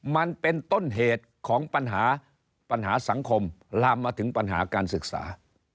มันเป็นต้นเหตุของปัญหาปัญหาสังคมลามมาถึงปัญหาการศึกษา